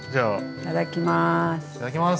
いただきます。